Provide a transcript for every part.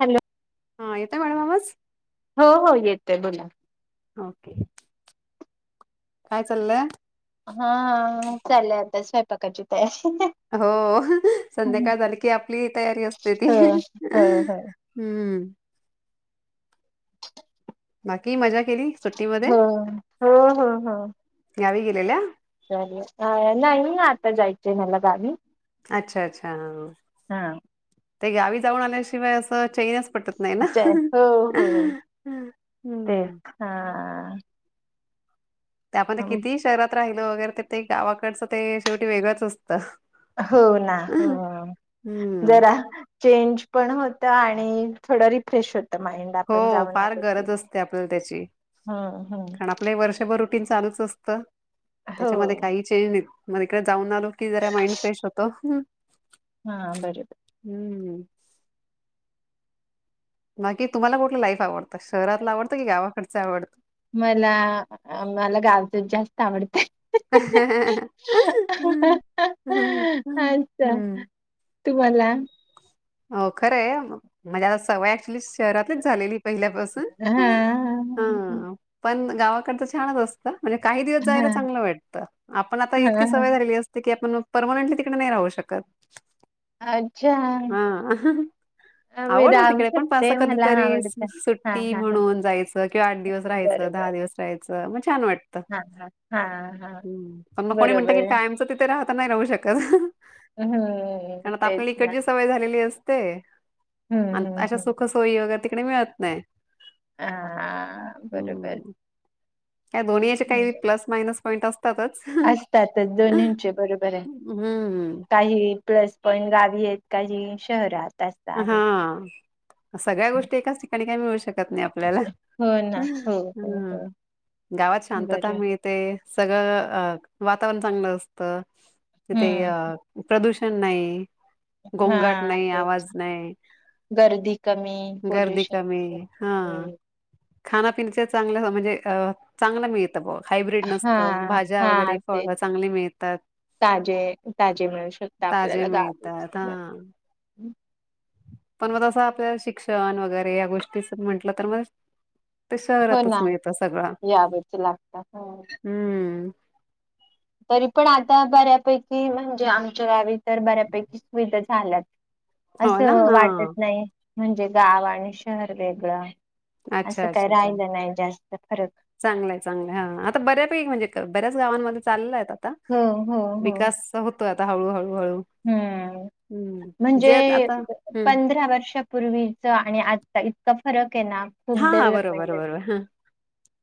Hello. हा येतय madam आवाज. हो हो येतय बोला. ओके काय चाललंय? हा चाललंय आता स्वयंपाकाची तयारी. हो संध्याकाळ झाली की आपली तयारी असते ती ह ह ह हम्म. बाकी मजा केली ह सुट्टीमध्ये हो हो हो. गावी गेलेल्या नाही आता जायचें आहे मला गावी. अच्छा अच्छा ह. हा. ते गावी जाऊन आल्याशिवाय असं चैनच पटत नाही ना. अचाय हो हो तेच हम्म हा हा. हा. त्या आपण किती ही शहरात राहि तिकडे वगैरे ते ते गावाकडचं ते शेवटी वेळंच असतं. हो ना हो हम्म जरा चेंज पण होत आणि आणि थोडं रिफ्रेश होत. हो फार गरज असते आपल्याला त्याची हम्म हम्म. कारण आपले वर्षभर रुटींग चालूच असत. हो त्याच्यामध्ये काही चेंज. मग इकडे जाऊन आलो की जरा माइंड फ्रेश होतो. हा बर बर. हम्म बाकी तुम्हाला कुठलं लाईफ आवडतं शहरातला आवडतं कि गावाकडच आवडतं. मला मला गावच जास्त आवडत. ह ह ह ह ह अच्छा. हम्म. तुम्हाला हो खरं आहे म्हणजे आता सवय ऍटलिस्ट शहरातच झालेली पहिल्यापासून हम हां, ह पण गावाकडच छानच असतं. म्हणजे काही दिवस जायला हां, चांगलं वाटतं. आपण आता हां, इतकी सवय हां. झालेली असते की. परमनंटली तिकडे नाही राहू शकत. अछा हा अ, मी आवडत राहू तिकडे पण असं शकते. मला कधीतरी आवडतं. हां, सुट्टी हां, हां. म्हणून जायचं किंवा आठ दिवस राहायचं बरोबर. दहा दिवस राहायचं म छान वाटत हां, हां, हां, हां. ह पण मग कोणी म्हणत कि बरोबर. कायमच तिथे राहत. नाही राहू शकत. हम्म कारण आता तेच आपल्याला ना. इकडची सवय झालेली असते. हं, अण हं, अशा सुख सोयी वगैरे तीक डे मिळत नाही. हा बरोबर, हं. काय दोन्ही याच्या हं. काही प्लस मायनस पॉईंट अस. असतातच दोन्हींचे बरोबरे हं. काही प्लस पॉईंट रा येत काही शहरात- असं आहे. हा. सगळ्या गोष्टी एकाच ठिकाणी काही मिळू शक- नाही आपल्याला हो ना. हो, हो, हो. गावात शांतता बरं. मिळते सगळं अ- वातावरण चांगलं असत. तिथ हम्म अ प्रदूष- नई. गोंगाट हा नाही तेच आवाज- [inaudible] गर्दी - गर्दी कमी हा- हम्म खाण्यापिण्याच चांगलं म्हणजे अ चांगलं मिळत. बा हायब्रीड हा नसत भाज्या हा वगैरे ते फळ चांगली मिळतात ताजे ताजे मिळू शकत ताजे आपल्याला गावी मिळतात सगळं. ह- पण मग असं आपल्या शिक्षण वगैरे या गोष्टीच म्हंटलं तर मग- ते हो शहरातच ना मिळतं सगळं यावच लागत हम्म. हम्म तरी पण आता बऱ्यापैकी म्हणजे आमच्या गावी- तर बऱ्यापैकी सुविधा- झाल्यात. हो ना असं हा वाटत नाही- म्हणजे गाव आणि शहर वेगळं- अच्छा असं काही अच्छा अच्छा राहिलं नाही जास्त फरक चांगलंय चांगलंय हा आता बऱ्यापैकी म्हणजे- बऱ्याच गावांमध्ये चालेलल आहे आता हम हम हा विकास होतोय आता हळू हळू हम्म हं. जे म्हणजे आत- आता हं. पंधरा वर्षापूर्वीच आणि आता इतकं फरक आहे ना, हा खूप हा डेव्हलपमेंट बरोबर झाली. बरोबर हा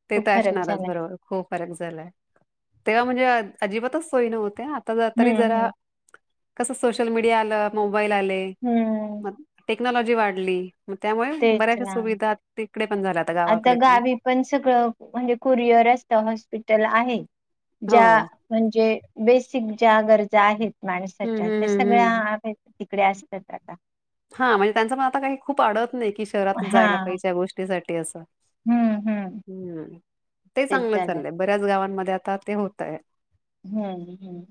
ते खूप तर फरक असणारंच झालाय. बरोबर हो फरक झालाय तेव्हा म्हणजे अजिबातच सोय नव्हत्या आ तरी हं, जरा हं. कसं सोशल मीडिया आलं मग बाईल आले हं, क्नॉलॉजी वाढली मग त्यामुळे तेच बऱ्याचशा ना. सुविधा तिकडे पण झाल्या आता गावाकडे गावी पण सगळं म्हणजे कुरिअर असतं हॉस्पिटल आहे ज्या हो. म्हणजे बेस शिक्षा, गरजा आहेत हं, माणसाच्या हं, त्या हं, सगळया आहेत तिकडे असतात आता हा म्हणजे त्यांचं पण आता काही खूप आडत नाही कि शहरातच जायला हां. पाहिजे गोष्टीसाठी असं हं, हं. हम् ते तेच चांगलंच झालंय. चाललंय बऱ्याच गावांमध्ये आता ते होतंय हम्म हम्म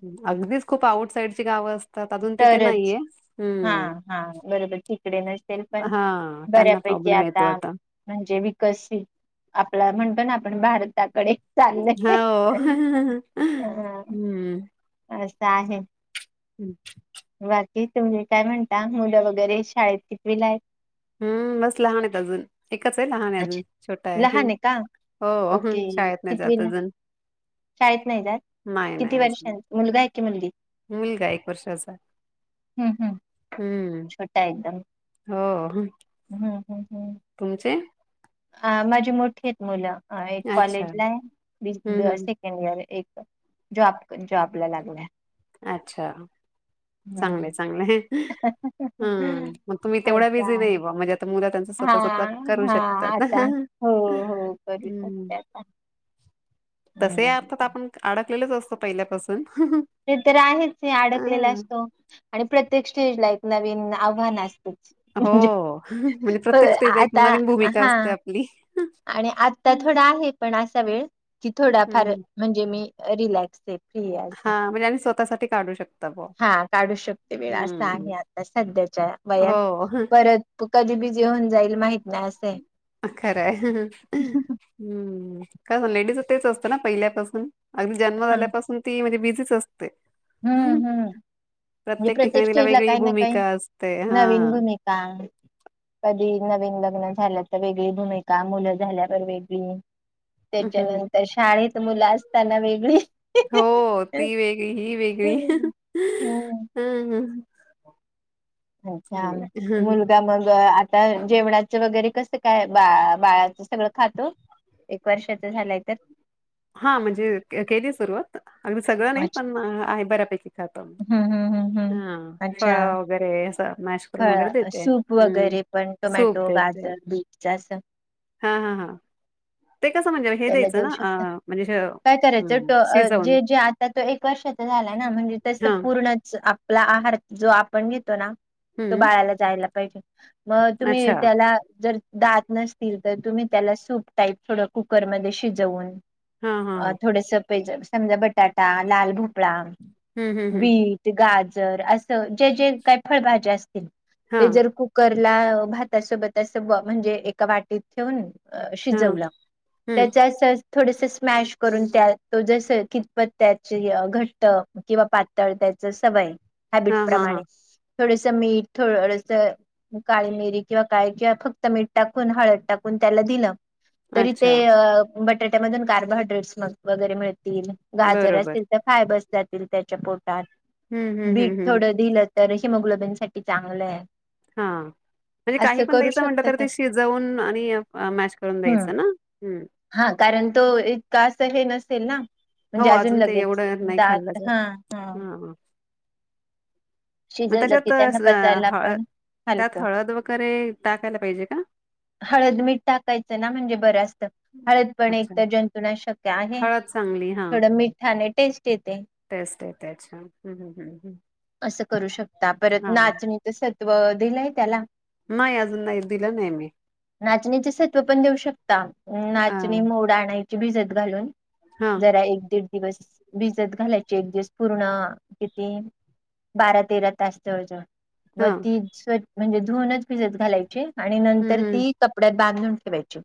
खूप आउट साईडची गावं असते त्यात अजून तिथे तरच नाहीये हम्म हां, हां. बरोबर तिकडे नसेल पण हा त्यांना बऱ्यापैकी प्रॉब्लेम येतो आता म्हणजे विकसित आपला पण आपण भारताकडे चाललंय. हो हा हम्म असं आहे हम् की तुम्ही काय म्हणता मुलं वगैरे शाळेत कितवीला आहेत. हम्म बस लहान आहेत अजून एकच आहे लहान आहे अच्छा अजून छोटा आहे लहान का? हो ओके शाळेत नाही जात कितवीला? अजून नाही नाही अजून क म्हणली मुलगा एक वर्षाचा हम्म हम् हम्म छोटा एकदम हो हम् हम् हम्म तुमचे अ माझी मोठी आहेत मुलं अ एक अच्छा कॉलेज ला हम्म हाय हम्म सेकंड इयर एक जॉब जॉबला लागला अच्छा हम्म. चांगले चांगले हम् मग तुम्ही तेवढ्या बिझी अच्छा. नाही बा म्हणजे आता मुलं त्यांच स्वतः स्वतः करू शकतात आ हो हो करू हम्म, शकत हम् असत पहिल्यापासून ते तर आहेच हे अडकलेला हं, असतो आणि प्रत्येक स्टेज ला एक नवीन आव्हान अस हो म्हणजे प्रत्येक स्टेज एक आता नवीन भूमिका हा असते आपली आणि आता थोडा आहे पण आत कसा वेळ? कि थोडाफार हम्म, म्हणजे मी.. रिलॅक्स. फ्री आहे असं. हा म्हणजे आणि स्वतःसाठी.. काढू शको हा काढू शकते वेळ असं आहे आता सध्याच्या वयात हो परत कधी बी जेऊन जाईल माहित नाही असं आहे. खरं आहे हम्म. काय लेडीज तेच असतं ना पहिल्यापासून. अगदी जन्म हा. झाल्यापासून ती म्हणजे ब तीच. हम्म हम्म म्हणजे प्रत्येक ठिकाणी प्रत्यक् तिला स्टेज ला वेगळी काही ना काही भूमिका असते नवीन हा. भूमिका कधी... नवीन लग्न झाल्या तर वेगळी भूमिका मुलं झाल्यावर वेगळी. हम्म. त्याच्यानंतर शाळेत मुलं असताना वेगळी. हो ती वेगळी. ही वेगळी हम्म हम ह.. अच्छा हम्म. मुलगा [unintelligible] आता जेवणाचं वगैरे कसं काय बा बाळाचं सगळं खातो एक वर्षाच झालंय तर.. हा म्हणजे केली सुरु. अगदी सगळं नाही अच्छा पण आहे बऱ्यापैकी खातो हम्म हम्म हम्म हा फळ वगैरे असं. मॅश करून वगैरे ह देते सूप हम्म. वगैरे पण सूप टोमॅटो देते गाजर बीटच अस. हा हा हा. ते कसं म्हणजे हे त्याला द्यायचं देऊ ना शकत अ म्हणजे श- काय हम्म करायचं शिजवून जे जे आता तो एक वर्षाचा झाला ना म्हणजे तस हा पूर्णच आपला आहार जो आपण घेतो ना, तो हम्म बाळाला जायला [unintelligible] मग अच्छा तुम्ही त्याला जर दात नसतील तर तुम्ही त्याला सूप टाईप थोड.. कुकरमध्ये शिजवून... हा हा अ हा थोडेस... व्हेजच समजा बटाटा लाल भ [unintelligible] हम्म हम्म हम्म बिट, गा जर असं जे जे काही फळभाज्या अस. हा ते जर कुकर ला भातासोबत अस बा म्हणजे एका वाटीत ठेवून. अ हा शिजवला. हम्म त्याच्या थोडस स्मॅश करून त्या तो जस कितपत त्याची घट्ट किंवा पातळ त्याच सवय. हॅबिट हा हा हा प्रमाणे थोडसं मीठ थोडस काळी मिरी किंवा काळे किंवा ज्या फक्त मीठ टाकून हळद टाकून त्याला दिलं. तरी ते अच्छा अ बटाट्यामधुन कार्बोहायड्रेट्स मग वगैरे मिळ. गाजर बरोबर. असतील तर फायबर्स जातील त्याच्या पोट. हं, हं, बीट हं, हं. थोडं दिल. तर हिमोग्लोबीनसाठी चांगलं. हा म्हणजे काही असं पण करू द्यायचं म्हटलं शकत तर ते शिजवून आणि मॅश करून हम्म द्यायचं ना. हम्म. हा कारण तो इतका अस हे नसेल ना. हो, म्हणजे अजून ते लगेच एवढं नाही खाल्लं दात जात. ह ह. हां. मग त्याच्यात अ त्यांना अ पचायला हळ पण त्यात हलकं हळद वगैरे टाकायला पाहिजे का हळद मीठ टाकायचं ना म्हणजे बऱ्याच हळद पण एक अच्छा. तर जंतुनाशक्य आहे [unintelligible] हळद चांगली हां, थोड मिठाने टेस्ट येते टेस्ट येते. अच्छा. हं, हं, हं, हं. [unintelligible] असं करू शकता परत हां. नाचणी तर स व दिलंय त्याला नाही अजून नाही. दिलं नाही मी. नाचणीचे सत्व पण देऊ शकता अ, नाचणी मोड आणाय. भिजत घालून हां, जरा एक दीड दिवस भिजत घालायचे एक दिवस पूर्ण अ किती [unintelligible] बारा तेरा तास जवजवळ मग हां. ती स्व म्हणजे धुनच भिजत घालायची आणि नं हं, तर हं. ती कपड्यात बांधून करायची.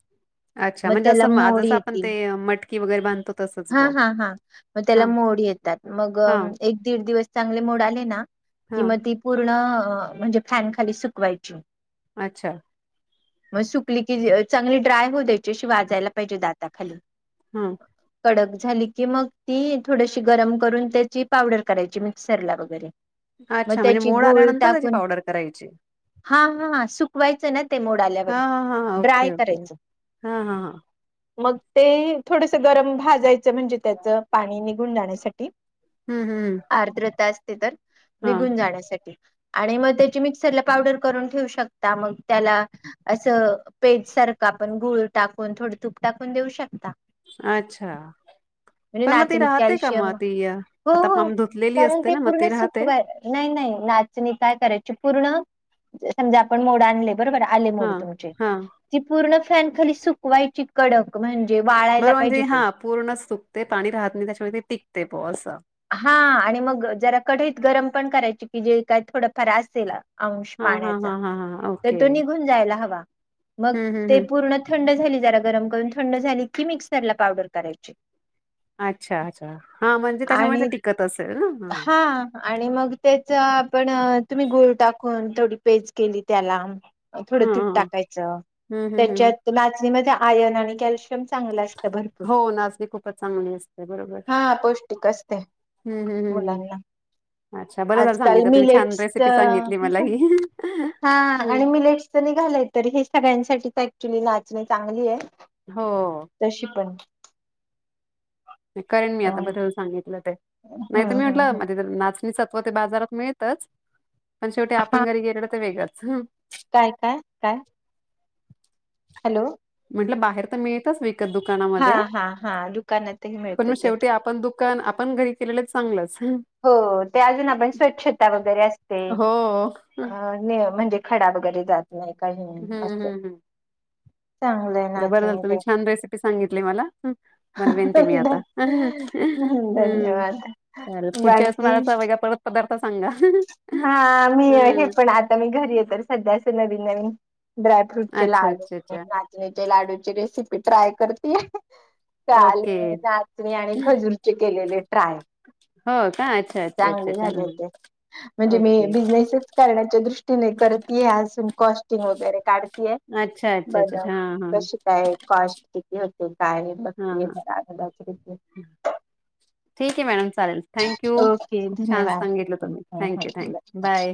अच्छा म्हणजे अस मंग जं जसं आपण ते मट की वगैरे बांधतो तसंच हा बुवा. हा हा मग त्याला हां, मोड येतात मग हां, एक दीड दिवस चांगले मोड आले ना कि हां. मंग ती पूर्ण अ म्हणजे फॅन खाली सुकवायची अच्छा मग सुकली की चांगली ड्राय होऊ द्यायची अशी वाजायला पाहिजे दाताखाली हम्म. कडक झालीकी मग ती थोडशी गरम करून त्याची पावडर करायची मिक्सरला वगैरे मग अच्छा म्हणजे त्याची मोड गुळ आल्यानंतर त्याची टाकून पावडर करायची. हा हा सु वयचं ना ते मोड हा आल्यावर हा हा ड्राय ओके ओके करायचं. हा हा हा मग ते थोडेसे गरम भाजायच म्हणजे त्याच पाणी निघून जाण्यासाठी हम्म हम्म [unintelligible] आर्द्र तास तर निघून हा जाण्यासाठी आणि मग त्याची मिक्सरला पावडर करून ठेवू शकता मग त्याला असं पेज सारखं आपण गूळ टाकून थोडं तूप टाकून देऊ शकता. अच्छा [unintelligible] म्हणजे पण मग ती नाचणीत राहते का कॅल्शियम मग ती अ, हो आता हो पाम धुतलेली कारण असते ते ना मग पूर्ण ती राहते सुखवा नाही नाही नाचणी काय करायची पूर्ण समजा आपण मोड आणले बरोबर आले हा मोड तुमचे हा ती पूर्ण फॅन खाली सुकवायची कडक म्हणजे जेव्हाळायला बरं म्हणजे पाहिजे. ते हा पूर्ण सुकते पाणी राहत नाही त्याच्यामुळे ते टिकते. ओ सा हा आणि मग जरा कढईत गरम पण करायचीक्की जे काय थोडंफार असेला. अंश हा हा पाण्याचा हा हा हा त ओके तो निघून जायला हवा. मग हम्म हम्म ते हम्म पूर्ण थंड झाली जरा गरम करून थंड झाली की मिस्करला पावडर करायची. अच्छा अच्छा. हा म्हणजे त्याच्यामुळे ते आणि टिकत असेल ना हा आणि मग तेच्या पण तुम्ही गुळ टाकून थोडी पेज केली त्याला अ थोडं हा तूप हा टाकायचं हम्म हम्म हम्म त्याच्यात लाचणीचा आयरन आणि कॅल्शियम चांगलं अस हो नाचणी खूपच चांगली असते बरोबर. हा पौष्टिक असते हम् हम् मुलांना हम् अच्छा बरोबर आजकाल सांगितता तुम्ही छान मिलेट्स रेसिपी सांगितली मला हि हि हि. हा आणि मिलेटस निघालय तर हे सगळ्यांसाठी तर तुली नाचणी चांगली आहे. हो तशी पण. मी करेन मी आता हम्म बद्दल सांगितलं ते. नाही तर मी म्हटलं मध्ये तर नाच. श्रीसत्व ते बाजारात मिळतच पण शेवटी हा आपण घरी गेलेलो ते वेगं. हम. काय काय काय? हॅलो. हे बाहेर तर मिळतच वे. हा हा हा दुकानातही मिळत मग ते. शेवटी आपण पण आपण घरी केलेलं चांगलं अस. हो ते अजून आपण स्वच्छता वगैरे असते हो अ हम्म न म्हणजे. खडा वैगेरे जात. नाही काही असं. चांगलंय जे बरं झालं नाचणी तुम्ही ते छान रेसिपी सांगितली मला बनवेन ते मी आता हम धन्यवाद चालेल पुढ. चेस बाकी माळ पर घ्या पळत. हा मी हम्म हे पण आता मी घरी येत सध्या अस नवीन नवीन ड्रायफ्रूट चे अच्छा लाडू अच्छा अच्छा नाचणीचे लाडूची रेसिपी ट्राय करतीय काल ओके नाचणी आणि खजूरचे केलेले ट्राय हो का अच्छा अच्छा अच्छा चांगले अच्छा झाले ते हां म्हणजे मी ओके बिझनेसच करण्याच्या दृष्टीने करतेय अजून कॉस्टिंग वगैरे काढतीय अच्छा अच्छा अच्छा बघा अच्छा हां हां कशी काय कॉस्ट यात काय हां बघतीय हां त्यागदाच ठीक मॅडम चालेल थँक्यू खूप छान धन्यवाद सांगितलं, तुम्ही ह थँक्यू ह थँक्यू बाय.